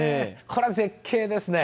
これは絶景ですね。